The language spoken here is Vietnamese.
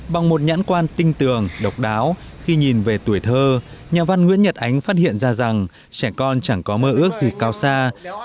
bằng một nhãn quan tinh tường độc đáo khi nhìn về tuổi thơ nhà văn nguyễn nhật ánh phát hiện ra rằng trẻ con chẳng có mơ ước gì cao xa